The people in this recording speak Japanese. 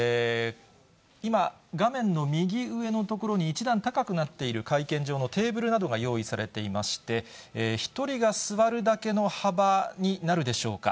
今、画面の右上の所に、一段高くなっている会見場のテーブルなどが用意されていまして、１人が座るだけの幅になるでしょうか。